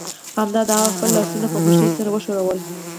همدا ده هغه خپل لاسونه په خوښۍ سره وښورول